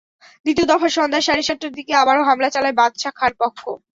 দ্বিতীয় দফায় সন্ধ্যা সাড়ে সাতটার দিকে আবারও হামলা চালায় বাদশা খাঁর পক্ষ।